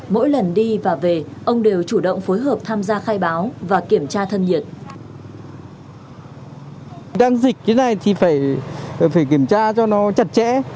mỗi lần đi và về ông đều chủ động phối hợp tham gia khai báo và kiểm tra thân nhiệt